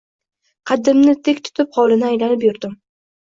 Qaddimni tik tutib hovlini aylanib yurdim